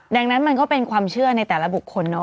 ดังนั้นมันก็เป็นความเชื่อในแต่ละบุคคลเนาะ